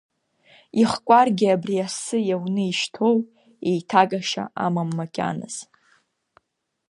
Ихкәаргьы абри асы иауны ишьҭоу, еиҭагашьа амам макьаназ.